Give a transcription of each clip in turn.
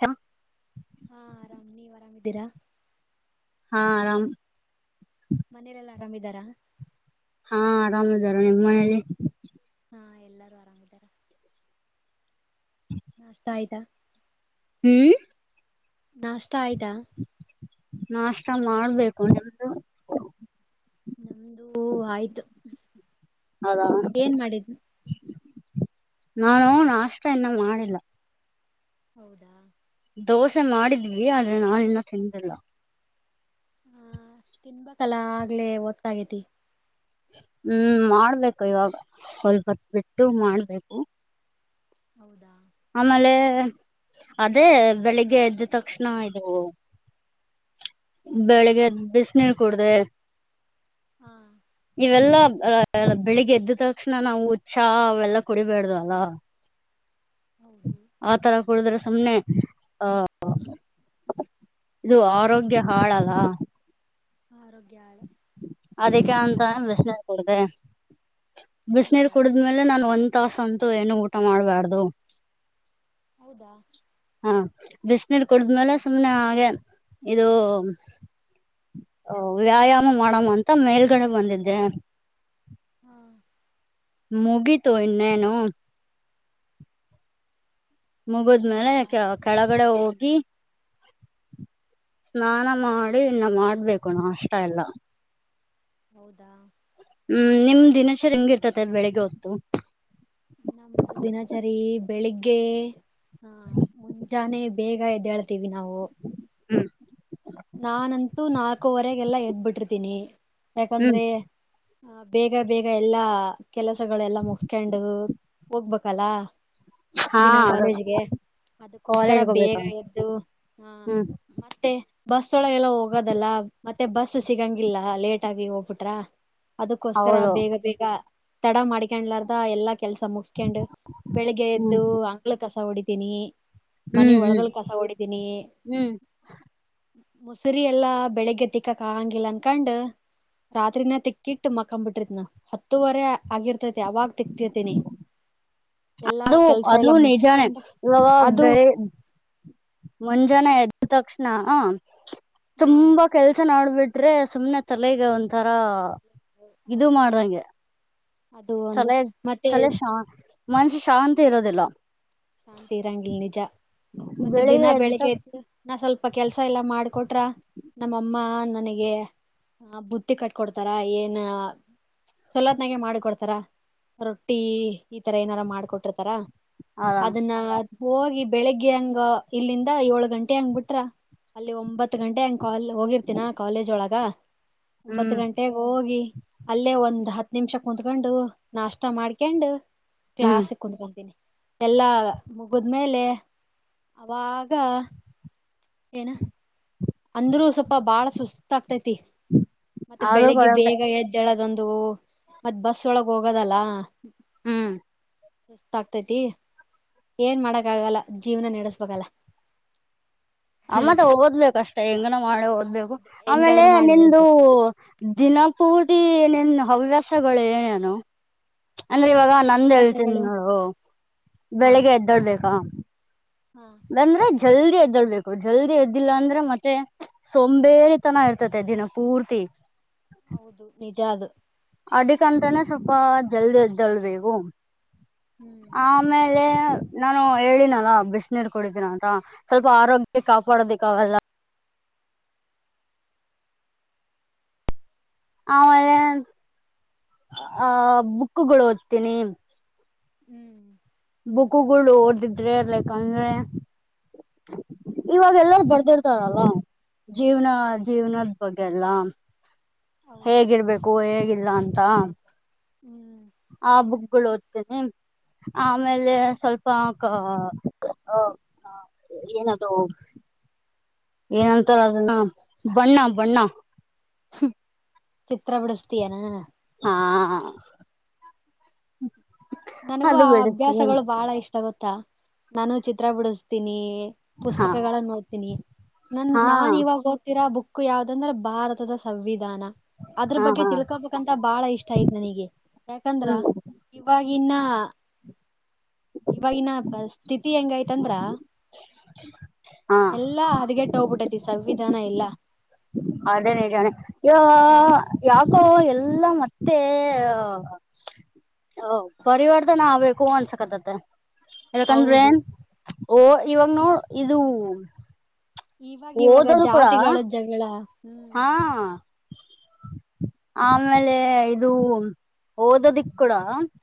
ಹೆಂ. ಹಾ ಆರಾಮ್ ನೀವ್ ಆರಾಮದೀರಾ. ಹಾ ಆರಾಮ್. ಮನೇಲೆಲ್ಲಾ ಆರಾಮಿದರಾ. ಹಾ ಆರಾಮ ಇದರ ನಿಮ್ ಮನೆಲಿ. ಹಾ ಎಲ್ಲಾರು ಆರಾಮಿದರಾ. [inaudible] ನಾಷ್ಟ ಆಯ್ತಾ. ಹ್ಮ್. ನಾಷ್ಟ ಆಯ್ತಾ. ನಾಷ್ಟ ಮಾಡ್ಬೇಕು ನಿಮ್ದು. ನಮ್ದು ಆಯ್ತು ಹೌದಾ ಏನ್ ಮಾಡಿದ್ರಿ. ನಾನು ನಾಷ್ಟ ಇನ್ನ ಮಾಡಿಲ್ಲ. ಹೌದಾ. ದೋಸೆ ಮಾಡಿದ್ವಿ ಆದ್ರೆ ನಾನ ಇನ್ನ ತಿಂದಿಲ್ಲ. ಆ ತಿನ್ಬೇಕಲ್ಲ ಆಗ್ಲೇ ಒತ್ತಾಗೈತಿ. ಹ್ಮ್ ಮಾಡ್ಬೇಕು ಇವಾಗ ಸ್ವಲ್ಪತ್ತು ಬಿಟ್ಟು ಮಾಡ್ಬೇಕು. ಹೌದಾ. ಆಮೇಲೆ ಅದೇ ಬೆಳಿಗ್ಗೆ ಎದ್ದ ತಕ್ಷಣ ಇದು. ಬೆಳಿಗ್ಗೆ ಬಿಸಿ ನೀರು ಕುಡಿದೆ. ಹಾ. ಇವೆಲ್ಲಾ ಅ ಬೆಳಿಗ್ ಎದ್ದ ತಕ್ಷಣ ನಾವು ಛಾ ಅವೆಲ್ಲಾ ಕುಡಿಬೇಡದ ಅಲ್ಲ. [inaudible] ಹೌದು. ಆತರ ಕುಡಿದ್ರೆ ಸುಮ್ಮನೆ ಹ ಹಾ ಇದು ಆರೋಗ್ಯ. ಹಾಳಲ್ಲ. ಆರೋಗ್ಯ ಹಾಳ್. ಅದಕ್ಕೆ ಅಂತ ಬಿಸಿನೀರ್ ಕುಡದೇ ಬಿಸಿನೀರು ಹೌದಾ ಕುಡಿದ್ಮೇಲೆ ನಾನು ಒಂದ್. ತಾಸಂತು ಎಣ್ಣೆ ಊಟ ಮಾಡ್ಬಾರ್ದು. ಹೌದಾ. ಹಾ ಬಿಸಿನೀರ್ ಕುಡಿದ್ಮೇಲೆ ಸುಮ್ನೆ ಹಾಗೆ ಇದು. ಓ ವ್ಯಾಯಾಮ ಮಾಡಮಂತ ಮೇಲ್ಗಡೆ ಬಂದಿದ್ದೆ. ಹ. ಮುಗಿತು ಇನ್ನೇನು. ಮುಗುದಮೇಲೆ ಮುಗಿತಾ ಕ ಕೆಳಗಡೆ ಹೋಗಿ. ಸ್ನಾನ ಮಾಡಿ ಇನ್ನ ಮಾಡ್ಬೇಕು ನಾಷ್ಟ ಎಲ್ಲಾ. ಹೌದಾ ಹು ನಿಮ್ಮ ದಿನಚರಿ ಹೆಂಗಿರ್ತತೆ ಬೆಳಿಗ್ಗೆ ಹೊತ್ತು. ನಮ್ಮದು ದಿನಚರಿ ಬೆಳಿಗ್ಗೆ ಹ. ಮುಂಜಾನೆ ಬೇಗ ಎದ್ದಳ್ತಿವಿ ನಾವು. ಹು ನಾನಂತೂ ನಾಲ್ಕೂವರೆಗೆಲ್ಲಾ ಎದ್ಬಿಟ್ಟಿರ್ತೀನಿ ಹ್ಮ್ ಯಾಕಂದ್ರೆ. ಬೇಗ ಬೇಗ ಎಲ್ಲಾ ಕೆಲಸಗಳೆಲ್ಲಾ ಮುಗಸ್ಕೊಂಡು ಹೋಗಬೇಕಲ್ಲಾ. ಹಾ ದಿನಾ ಅದು ಕಾಲೇಜಿಗೆ ಅದಕ್ಕೋಸ್ಕರ ಕಾಲೇಜ್ಗೆ ಹೋಗ್ಬೇಕ ಬೇಗಾ ಎದ್ದು ಹಾ. ಹ್ಮ್ ಮತ್ತೆ. ಬಸೊಳಗ ಎಲ್ಲಾ ಹೋಗೋದಲ್ಲಾ ಮತ್ತೆ ಬಸ್ಸ್ ಸಿಗಂಗಿಲ್ಲ ಲೇಟ್ ಆಗಿ ಹೋಗ್ಬಿಟ್ರ. ಅದಕ್ಕೋಸ್ಕರ ಹೌದು ಬೇಗ ಬೇಗ ತಡ ಮಾಡ್ಕೊಂಡ್ಲಾರ್ದ ಎಲ್ಲಾ ಕೆಲಸ ಮುಗಸಕೆಂಡ. ಬೆಳಿಗ್ಗೆ ಹ್ಮ್ ಎದ್ದು ಅಂಗಳ ಕಸ ಹೊಡೀತೆನಿ ಮನೆ ಒಳಗಲ್ ಕಸ ಹೊಡುತೇನಿ. ಹು ಮೂಸರಿ ಎಲ್ಲಾ ಬೆಳಿಗ್ಗೆ ತಿಕ್ಕಾಕ ಆಗಂಗಿಲ್ಲ ಅನ್ಕೊಂಡು. ರಾತ್ರಿನ ತೆಕ್ಕಿಟ್ಟು ಮಕಂಬಿಟ್ಟಿರ್ತೀನ. ಹತ್ತುವರೆ ಆಗಿರ್ತೈತಿ ಅವಾಗ ತಿಕ್ಕತಿರತನಿ. ಅದು ಅದು ನಿಜಾನೆ ಮುಗಸ್ಕೊಂಡ್ ಇವಾಗ ಅದು ಬೆಳಿ ಮುಂಜಾನೆ ಎದ್ದ ತಕ್ಷಣ ಹಾ ತುಂಬಾ ಕೆಲಸಾ ನಡ್ಬಿಟ್ಟು. ಆದ್ರೆ ಸುಮ್ಮ್ನೆ ತಲೆಗೆ ಒಂಥರಾ ಇದು ಹೌದು ಮಾಡದಂಗೆ. ಅದು ಒಂದು ತಲೆ ಮತ್ತೆ ತಲೆ ಶಾ ಮನಸ್ಸು ಶಾಂತಿ ಇರೋದಿಲ್ಲ. ಶಾಂತಿ ಇರಂಗಿಲ್ಲ ನಿಜ ಮತ್ತೆ ದಿನಾ ಬೆಳಿಗ್ಗೆ ಎದ್ದ. ನಾ ಸ್ವಲ್ಪ ಕೆಲಸಾ ಎಲ್ಲಾ ಮಾಡಿಕೊಟ್ರ ನಮ್ಮಅಮ್ಮ ನನಗೆ. ಹ ಬುತ್ತಿ ಕಟ್ಕೊಡ್ತಾರಾ ಏನ್. ಚೊಲತ್ನಾಗೆ ಮಾಡಿಕೊಡ್ತಾರ ರೊಟ್ಟಿ ಈ ತರ ಏನಾರ ಮಾಡಕೊಟ್ಟಿರ್ತಾರ. ಹು ಅದನ್ನ ಹೋಗಿ ಬೆಳಿಗ್ಗೆ ಹಂಗ ಇಲ್ಲಿಂದ ಏಳು ಗಂಟೆ ಹಂಗ ಬಿಟ್ರ. ಅಲ್ಲಿ ಒಂಬತ್ತು ಗಂಟೆ ಹಂಗ ಹೋಗಿರ್ತಿನ ಕಾಲೇಜ್ ಒಳಗ ಒಂಬತ್ತು ಹ್ಮ್ ಗಂಟ. ಲ್ಲೆ ಹೋಗಿ ಅಲ್ಲೇ ಒಂದ್ ಹತ್ತ ನಿಮಿಷ ಕುತ್ಕೊಂಡು ನಾಷ್ಟ ಮಾಡ್ಕಂಡು. ಹ್ಮ್ ಕ್ಲಾಸ್ಗೆ ಕುಂದ್ಕಂತತಿನಿ. ಎಲ್ಲಾ ಮುಗದ್ಮೇಲೆ ಅವಾಗ ಏನ. ಅಂದ್ರೂ ಸ್ವಲ್ಪ ಬಾಳ ಸುಸ್ತ ಆಗ್ತೈತಿ ಮತ್ತೆ ಅದು ಬೆಳಗ್ಗೆ ಕೊರತೆ ಬೇಗ ಎದ್ದ. ಏಳದೊಂದು ಮತ್ತ ಬಸ್ಸ್ ಒಳಗ ಹೋಗೋದಲ್ಲ. ಹು ಸುಸ್ತ ಆಗ್ತತಿ ಏನ್ ಮಾಡಕ್ ಆಗಲ್ಲಾ ಜೀವನ ನಡೆಸ್ಬೇಕಲ್ಲ. ಆ ಮತ್ತೆ ಓದಬೇಕಷ್ಟೆ ಹೆಂಗನ ಮಾಡಿ ಓದ್ಬೇಕು ಆಮೇಲೆ ಹಿಂಗಾದ್ರೂ ಮಾಡಿ ನಿಂದು ಓದ್ಬೇಕು ದಿನಪೂರ್ತಿ ನಿನ್ನ ಹವ್ಯಾಸಗಳು ಏನ ಅದಾವು. ಅಂದ್ರ ಇವಾಗ ನನ್ ನಂದ ಹೇಳ್ತನಿ ಹವ್ಯಾಸಗಳು ನೋಡು ಹಾ ಬೆಳಿಗ್ಗೆ ಎದ್ದೋಳಬೇಕಾ. ಹಾ ಅಂದ್ರೆ ಜಲ್ದಿ ಎದ್ದೋಳಬೇಕು ಜಲ್ದಿ ಎದ್ದಿಲ್ಲಾ ಅಂದ್ರೆ ಮತ್ತೆ. ಸೋಂಬೇರಿತನ ಇರ್ತತೆ ದಿನಾ ಪೂರ್ತಿ. ಹೌದು! ನಿಜಾ ಅದು. ಅದಕಂತಾನೆ ಸ್ವಲ್ಪ ಜಲ್ದಿ ಎದ್ದಳ್ಬೇಕು ಹ್ಮ್ ಆಮೇಲೆ. ನಾನು ಹೇಳಿನಲ್ಲ ಬಿಸಿನೀರು ಕುಡಿತನ್ನ ಅಂತ ಸ್ವಲ್ಪ ಆರೋಗ್ಯ ಕಾಪಾಡೋದಿಕ್ಕಆಗಲ್ಲ. ಆಮೇಲೆ [inaudible] ಆ ಬುಕ್ಗಳು ಓದ್ತೀನಿ ಹ್ಮ್ ಬುಕ್ಕುಗಳು ಓದಿದ್ರೆ ಲೆಕ್ಂದ್ರೆ ಇವಾಗ ಎಲ್ಲರು ಬರ್ದಿರ್ತಾರಲ್ಲ. ಜೀವ್ನ ಜೀವ್ನದ ಬಗ್ಗೆಅಲ್ಲಾ ಹೌದು ಹೇಗಿರಬೇಕು ಹೇಗಿಲ್ಲ ಅಂತ. ಹ್ಮ್ [inaudible] ಆ ಬುಕ್ಗಳು ಓದ್ತೇನೆ ಆಮೇಲೆ ಸ್ವಲ್ಪ ಕ ಕಾ ಏನದು ಏನಂತಾರ ಅದನ್ನ ಬಣ್ಣ ಬಣ್ಣ [inaudible] ಹ್ಮ ಚಿತ್ರ ಬಿಡಿಸತೀಯಾ ಹಾ ನನಗೂ ಅದು ಆ ಬಿಡಿಸ್ತೀನಿ ಅಭ್ಯಾಸಗಳು ಬಹಳ ಇಷ್ಟ ಗೊತ್ತಾ ನಾನು ಚಿತ್ರ ಬಿಡಿಸ್ತೀನಿ. ಹಾ ಪುಸ್ತಕಗಳನ್ನು ಓದ್ತೀನಿ ನನ್ ಹಾ ನಾನ್ ಇವಾಗ ಓದ್ತಿರಾ ಬುಕ್. ಯಾವುದಂದ್ರ ಭಾರತದ ಸಂವಿಧಾನ ಆದ್ರ ಹಾ ಬಗ್ಗೆ ಹಾ ತಿಳ್ಕೊಬೇಕು. [unintelligible] ಬಾಳ ಇಷ್ಟ ಆಯ್ತ್ ನನಗೆ ಯಾಕಂದ್ರ ಹ್ಮ್ ಇವಾಗಿ ಇನ್ನ. ಇವಾಗಿನ ಪರಿಸ್ಥಿತಿ ಹೆಂಗ ಆಯ್ತಂದ್ರ. ಹಾ ಎಲ್ಲಾ ಅದಿಗೆಟ್ಟು ಹೋಗಿಬಿಟ್ಟೈತಿ ಸಂವಿಧಾನ ಎಲ್ಲಾ. ಅದೇನೆ ಜಾಣಿ [inaudible] ಯವ್ವ. ಯಾಕೋ ಎಲ್ಲಾ ಮತ್ತೆ ಓ ಪರಿವರ್ತನ್ ಆಗ್ಬೇಕು ಅನ್ಸಕತ್ತತ್ತ. ಯಾಕಂದ್ರೆ ಹೌದು ಓ ಇವಾಗ ನೋಡ್ ಇದು. ಇವಾಗ ಇವಾಗ ಓದೋದು ಕೂಡ ಜಾತಿಗಳ ಜಗಳ. ಹಾ. [inaudible] ಆಮೇಲೆ ಇದು ಓದೋದಿಕ್ ಕೂಡ ಹತ್ತು.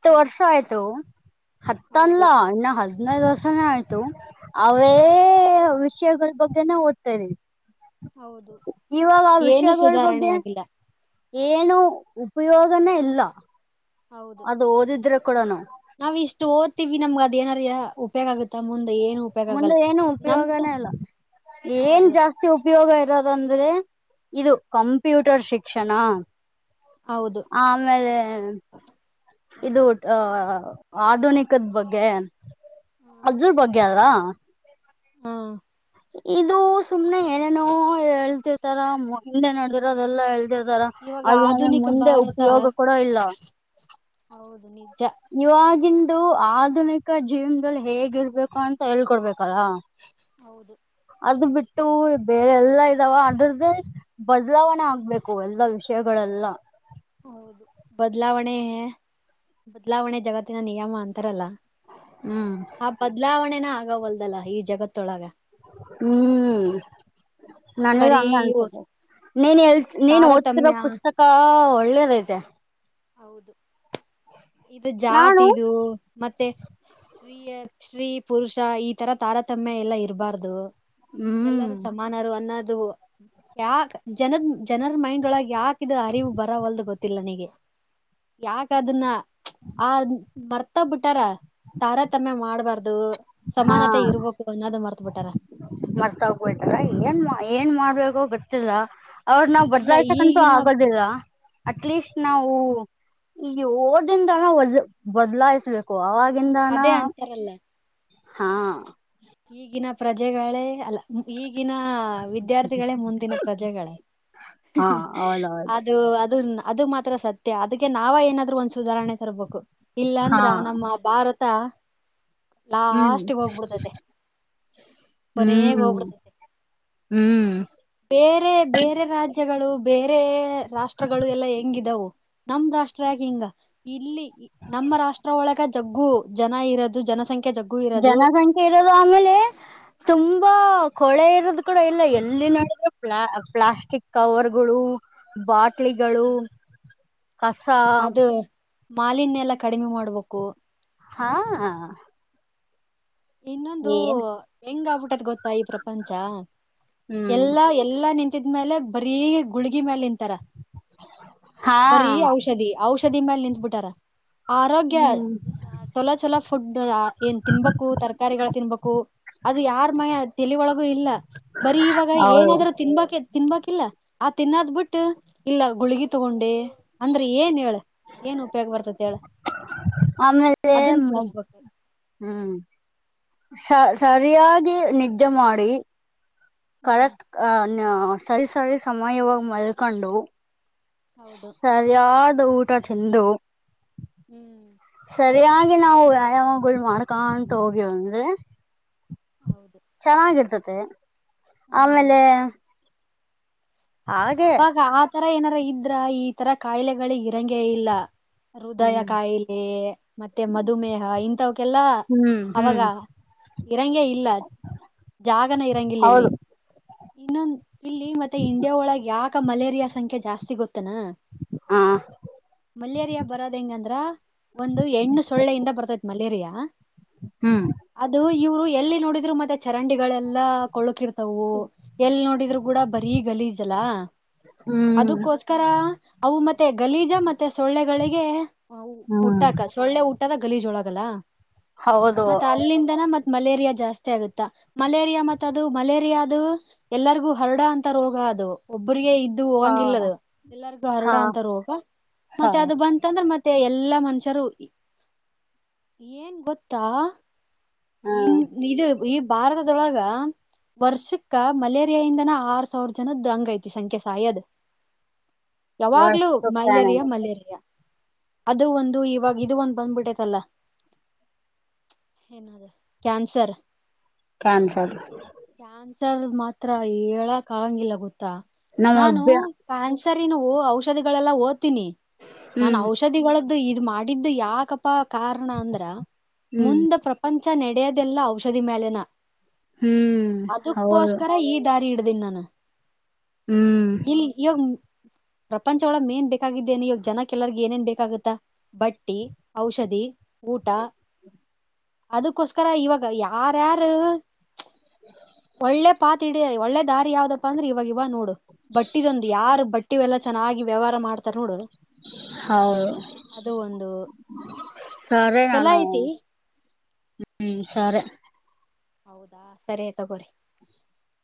ಹತ್ತು ಹಾ ವರ್ಷ ಆಯ್ತು [inaudible] ಹತ್ತಲ್ಲ ಹೌದು ಇನ್ನು ಹದ್ನೈದು ವರ್ಷಾನೇ ಆಯ್ತು. ಅವೇ ಹೌದು ವಿಷಯಗಳ ಬಗ್ಗೆನೇ ಓದ್ತಾ ಇದೀನಿ. ಹೌದು [inaudible] ಏನು ವಿಷಯಗಳ ಸುಧಾರಣೆ ಬಗ್ಗೆ ಆಗಿಲ್ಲ. ಏನು ಉಪಯೋಗನೇ ಇಲ್ಲ ಹೌದು [inaudible] ಅದು ಓದಿದ್ರೆ ಕೂಡಾನು. ನಾವ್ ಇಷ್ಟು ಓದ್ತೀವಿ ನಮ್ಗ ಅದೇನ್ರ್ಯ. ಉ ಉಪಯೋಗ ಆಗುತ್ತಾ ಮುಂದೆ ಏನು ಉಪಯೋಗ ಮುಂದೆ ಆಗಲ್ಲ ಏನು ನಮ್ದ ಉಪಯೋಗನೇ ಇಲ್ಲ [inaudible] ಏನ್ ಹೌದು ಜಾಸ್ತಿ ಉಪಯೋಗ ಇರೋದಂದ್ರೆ [inaudible] ಇದು ಕಂಪ್ಯೂಟರ್ ಶಿಕ್ಷಣ. ಹೌದು. ಆಮೇಲೆ [inaudible] ಇದು ಅ ಆಧುನಿಕದ ಬಗ್ಗೆ. [inaudible] ಅದರ್ ಬಗ್ಗೆ ಅಲ್ಲ. ಹು ಇದು ಸುಮ್ನೆ ಏನೇನು ಹೇಳ್ತಿರ್ತಾರ ಮುಂದೆ ನಡೆದಿರೋದೆಲ್ಲ ಹೇಳ್ತಿರ್ತಾರ. ಇವಾಗ ಅದೇನು ಆಧುನಿಕ ಮುಂದೆ ಭಾರತ ಉಪಯೋಗ ಕೂಡ ಇಲ್ಲ. ಹೌದು ನಿಜ. ಇವಾಗಿಂದು ಆಧುನಿಕ ಜೀವನದಲ್ಲಿ ಹೇಗಿರಬೇಕು ಅಂತ ಹೇಳಿಕೊಡಬೇಕಲ್ಲ. ಹೌದು. ಅದ್ ಬಿಟ್ಟು ಬೇರೆ ಎಲ್ಲಾ ಇದಾವ ಅಂದ್ರದ್ದೆ. ಬದಲಾವಣೆ ಆಗ್ಬೇಕು ಎಲ್ಲಾ ವಿಷಯಗಳೆಲ್ಲ. ಹೌದು ಬದ್ಲಾವಣೆ ಬದ್ಲಾವಣೆ ಜಗತ್ತಿನ ನಿಯಮ ಅಂತಾರಲ್ಲ. ಹ್ಮ್. ಆ ಬದ್ಲಾವಣೆನ ಆಗವಲ್ದಲ್ಲಾ ಈ ಜಗತ್ತೊಳಗ. ಹ್ಮ್. ನನಗ ಬರೀ ಹಂಗ ಅನ್ಸದ ನೀನ್ ಹೇಳ್ತ ನೀನ್ ಓದ್ತಿರೋ ತಾರತಮ್ಯ ಪುಸ್ತಕ. ಸ್ತಕ ಒಳ್ಳೇದೈತೆ. ಹೌದು ಇದು ನಾನು ಜಾತಿದು. ಮತ್ತೆ ಶ್ರೀಯ ಶ್ರೀ ಪುರುಷ ಈ ತರ ತಾರತಮ್ಯ ಎಲ್ಲಾ ಇರಬಾರ್ದು. ಹ್ಮ್. ಎಲ್ಲರೂ ಸಮಾನರು ಅನ್ನದು. ಯಾಕ ಜನದ ಜನರ ಮೈಂಡ್ ಒಳಗ ಯಾಕಿದ ಅರಿವು ಬರವಲ್ದು ಗೊತ್ತಿಲ್ಲ ನನ್ಗೆ. ಯಾಕದನ್ನ ಆ ಮರ್ತ ಬುಟ್ಟಾರ ತಾರತಮ್ಯ ಮಾಡ್ಬಾರ್ದು. ಸಮಾನತೆ ಇರ್ಬೇಕು ಅನ್ನೋದ ಮರ್ತ್ ಬಿಟ್ಟಾರ. ಮರ್ತೋಗಬಿಟ್ಟಾರ ಏನ್ ಏನ್ ಹ್ಮ್ ಮಾಡ್ಬೇಕೋ ಗೊತ್ತಿಲ್ಲ. ಅವ್ರ ನಾವು ಇಲ್ಲ ಬದ್ಲಾಯ್ಸಕಂತೂ ಈಗಿನ ಆಗೋದಿಲ್ಲ ಅಟ್ಲೀಸ್ಟ್ ಹೌದು ನಾವು. ಈ ಓದಿಂದಾನ್ ಬದ್ ಬದ್ಲಾಯಿಸ್ಬೇಕು ಆವಾಗಿಂದಾನ. ಬರಲ್ಲ. ಹಾ. ಈಗಿನ ಪ್ರಜೆಗಳೇ ಅಲ್ಲ ಮು ಈಗಿನ ವಿದ್ಯಾರ್ಥಿಗಳೇ ಮುಂದಿನ ಪ್ರಜೆಗಳೇ. ಹಾ ಹೌದೌದು ಅದು ಅದುನ್ ಅದು ಮತ್ತ. ತರ ಸತ್ಯ ಅದಕ್ಕೆ ನಾವ ಏನಾದ್ರು ಒಂದ್ ಸುಧಾರಣೆ ತರ್ಬೇಕು ಹಾ ಇಲ್ಲಾಂದ್ರ ನಮ್ಮ ಭಾರತ ಹ್ಮ್ ಲಾಸ್ಟಿಗ ಹೋಗ್ಬಿಡ್ತೈತೆ. ಕೊನೆಗ ಹ್ಮ್ ಹೋಬಿಡತೈತೆ. ಹ್ಮ್ ಬೇರೆ ಬೇರೆ ರಾಜ್ಯಗಳು ಬೇರೆ ರಾಷ್ಟ್ರಗಳು ಎಲ್ಲ ಹೆಂಗಿದವು. ನಮ ರಾಷ್ಟ್ರ ಯಾಕ್ ಹಿಂಗ ಇಲ್ಲಿ. ನಮ್ಮ ರಾಷ್ಟ್ರ ಒಳಗ ಜಗ್ಗು ಜನ ಇರದು ಜನಸಂಖ್ಯೆ ಜಗ್ಗು. ಇರೋದು ಜನಸಂಖ್ಯೆ ಇರದು ಆಮೇಲೆ ತುಂಬಾ. ಕೊಳೆ ಇರೋದು ಕೂಡ ಇಲ್ಲ ಎಲ್ಲಿ ನೋಡಿದ್ರ ಪ್ಲಾ ಪ್ಲಾಸ್ಟಿಕ್ ಕವರ್ಗಳು. ಬಾಟ್ಲಿಗಳು ಕಸ. ಅದು ಮಾಲಿನ್ಯ ಎಲ್ಲಾ ಕಡಿಮೆ ಮಾಡ್ಬಕು. ಹಾ. ಇನ್ನೊಂದು ಏನ್ ಹೆಂಗ್ ಆಬಿಟ್ಟೈತ ಗೊತ್ತಾ ಈ ಪ್ರಪಂಚ ಹ್ಮ್ ಎಲ್ಲಾ ಎಲ್ಲಾ ನಿಂತಿದ್ಮ್ಯಾಲೆ ಬರೀ ಗುಳಗಿ ಮ್ಯಾಲ ನಿಂತಾರ ಹಾ ಬರೀ ಔಷಧಿ. ಔಷಧಿ ಮ್ಯಾಲ ನಿಂತ್ಬಿಟಾರ. ಆರೋಗ್ಯ ಹ್ಮ್ ಚೊಲ ಚೊಲೋ ಫುಡ್ ಆ ಏನ್ ತಿನ್ಬೇ ಕು ತರ್ಕಾರಿಗಳ ತಿನ್ಬೇಕು ಅದು ಯಾರ ಮಯ ತೆಲಿ ಒಳಗೂ ಇಲ್ಲ. ಬರೀ ಇವಾಗ ಹೌದು ಏನಾದ್ರೂ ತಿನ್ಬಕಿ ತಿನ್ಬಕಿಲ್ಲ ಆ ತಿನ್ನದ್ ಬಿಟ್ಟು ಇಲ್ಲ ಗುಳಗಿ ತಗೊಂಡೆ ಅಂದ್ರೆ ಏನ್ ಹೇಳ. ಏನ್ ಉಪಯೋಗ ಬರ್ತತಿ ಹೇಳ. ಆಮೇಲೆ ಅದನ್ನ ಬಿಡಿಸಬೇಕು ಹ್ಮ್ ಸ ಸರಿಯಾಗಿ ನಿದ್ದೆ ಮಾಡಿ. ಹ್ಮ್ ಕರೆಕ್ಟ್ ಅ ನ ಸರಿ ಸರಿ ಸಮಯವಾಗಿ ಮಲ್ಕೊಂಡು. ಹೌದು. ಯಾವ್ದ ಊಟ ಚೆಂದು. ಹ್ಮ್. ಸರಿಯಾಗಿ ನಾವು ವ್ಯಾಯಾಮಗಳು ಮಾಡ್ಕಂತ ಹೋಗೀವ್ ಅಂದ್ರೆ ಹೌದು. ಚೆನ್ನಾಗಿರ್ತತೆ ಹಾ ಆಮೇಲೆ.. ಹಾಗೆ ಅವಾಗ ಆತರ ಏನಾರ ಇದ್ರ ಈ ತರಾ ಕಾಯಿಲೆಗಳ ಇರಂಗೆ ಇಲ್ಲಾ ಹೃದಯ ಹ್ಮ್ ಕಾಯಿಲೆ ಮತ್ತೆ ಮಧುಮೇಹ ಇಂಥವಕ್ಕೆಲ್ಲಾ. ಹುಂ ಹುಂ ಅವಾಗ ಇರಂಗೆ ಇಲ್ಲಾ ಜಾಗನ ಇರಾಂಗಿಲಲ್ಲಿ. ಹೌದು ಇನ್ನೊಂದ ಇಲ್ಲಿ ಮತ್ತ ಇಂಡಿಯಾ ಒಳಗ್ ಯಾಕ ಮಲೇರಿಯಾ ಸಂಖ್ಯೆ ಜಾಸ್ತಿ ಗೊತ್ತೆನ. ಹಾ. ಮಲೇರಿಯಾ ಬರೋದ ಹೆಂಗಂದ್ರ. ಒಂದು ಹೆಣ್ಣು ಸೊಳ್ಳೆಯಿಂದ ಬರ್ತೈತ್ ಮಲೇರಿಯಾ. ಹುಂ ಅದು ಇವ್ರು ಎಲ್ಲಿ ನೋಡಿದ್ರು ಮತ್ತೆ ಚರಂಡಿಗಳೆಲ್ಲಾ ಕೊಳಕಿರ್ ವು ಎಲ್ಲಿ ನೋಡಿದ್ರು ಕೂಡ ಬರೀ ಗಲೀಜಲಾ. ಹ್ಮ್ ಅದಕ್ಕೋಸ್ಕರ ಅವು ಮತ್ತೆ ಗಲೀಜ ಮತ್ತೆ ಸೊಳ್ಳೆಗಳಿಗೆ. ಹ್ಮ್ ಹುಟ್ಟಾಕ ಸೊಳ್ಳೆ ಹುಟ್ಟದ ಗಲೀಜ ಒಳಗೆಲ್ಲಾ ಹೌದು ಮತ್ತ ಅಲ್ಲಿಂದಾ. ಮತ್ ಮಲೇರಿಯಾ ಜಾಸ್ತಿ ಆಗುತ್ತಾ ಮಲೇರಿಯಾ ಮತ್ ಅದು ಮಲೇರಿಯಾ ಅದು. ಎಲ್ಲರಿಗೂ ಹರಡೊ ಅಂತ ರೋಗ ಅದು. ಒಬ್ಬ್ರಿಗೆ ಇದ್ದು ಹಾ ಹೋಗಂಗಿಲ್ಲದ ಎಲ್ಲರಿಗು ಹರಡ ಹಾ ಅಂತಾ ರೋಗ ಹಾ ಮತ್ತೆ ಅದು ಬಂತ. ಅತ್ತಂದ್ರೆ ಮತ್ತೆ ಎಲ್ಲಾ ಮನುಷ್ಯರು ಏನ್ ಗೊತ್ತಾ. ಇ ಹ್ಮ್ ಇದು ಈ. ಭಾರತದೊಳಗ. ವರ್ಷಕ್ಕ ಮಲೇರಿಯಾ ಇಂದನ ಆರ್ ಸಾವಿರ ಜನದ ಹಂಗ್ ಐತಿ ಸಂಖ್ಯೆ ಸಾಯದ್. [inaudible] ಯಾವಾಗ್ಲೂ ಮಲೇರಿಯಾ ಮಲೇರಿಯಾ. ಅದು ಒಂದು ಇವಾಗ ಇದು ಒಂದು ಬಂದ್ಬಿಟ್ಟೈತಲ್ಲಾ. ಏನಾದ? ಕ್ಯಾನ್ಸರ್. [unintelligible] ಮಾತ್ರ ಹೇಳಕ್ ಆಗಂಗಿಲ್ಲ ಗೊತ್ತಾ ನಮ್ಮ ನಾನು. ಅಭ್ಯ ಕ್ಯಾನ್ಸರಿನವು ಔಷಧಿಗಳೆಲ್ಲಾ ಓದ್ತೀನಿ ನಾನ್ ಹ್ಮ್ ಔಷ್. ಔಷಧಿಗಳದ್ದು ಇದು ಮಾಡಿದ್ದು ಯಾಕಪ್ಪ ಕಾರಣ ಅಂದ್ರ ಹ್ಮ್ ಮುಂದ. ನಡೆಯದೆಲ್ಲ ಔಷಧಿ ಮ್ಯಾಲೆನ ಹ್ಮ್ ಹೌದು ಅದಕ್ಕೋಸ್ಕರ ಈ. ದಾರಿ ಇಡ್ದೇನಿ ನಾನು ಹ್ಮ್ ಇಲ್ಲಿ ಈಗ. ಪ್ರಪಂಚ ಒಳಗ ಮೇನ್ ಬೇಕಾಗಿದ್ದೇನೆ ಇವಾಗ ಜನ ಕೆಲ್ಲರ್ಗೆ ಏನೇನ್ ಬೇಕಾಗುತ್ತಾ ಬಟ್ಟಿ, ಔಷಧಿ. ಊಟ. ಅದಕ್ಕೋಸ್ಕರ ಇವಾಗ ಯಾರ್ಯಾರೂ. ಒಳ್ಳೆ ಪಾತ್ ಇಡೀ ಒಳ್ಳೆ ದಾರಿ ಯಾವ್ದ. ಅಂದ್ರೆ ಇವಾಗ ಇವ ನೋಡು, ಬಟ್ಟಿದೊಂದು ಯಾರು ಬಟ್ಟಿ ಎಲ್ಲ ಚೆನ್ನಾಗಿ ವ್ಯವಹಾರ ಮಾಡತಾರೆ ನೋಡು. ಹೌದು ಅದು ಒಂದು ಸರಿ ಚಲೋ ನಾನು. ಐತಿ ಹ್ಮ್ ಸರಿ ಹೌದಾ ಸರಿ ತಗೋರಿ. [inaudible]